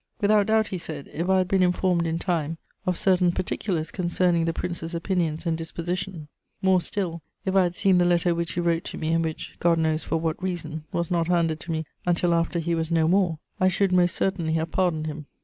"'Without doubt,' he said, 'if I had been informed in time of certain particulars concerning the Prince's opinions and disposition; more still, if I had seen the letter which he wrote to me and which, God knows for what reason, was not handed to me until after he was no more, I should most certainly have pardoned him.'